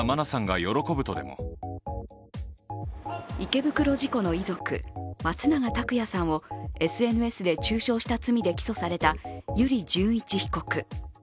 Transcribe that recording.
池袋事故の遺族、松永拓也さんをＳＮＳで中傷した罪で起訴された油利潤一被告。